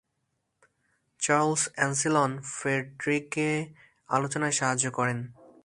Charles Ancillon ফ্রেডেরিককে আলোচনায় সাহায্য করেন।